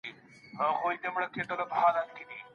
دروني ارامي د ژوند په ټولو برخو کي اړینه ده.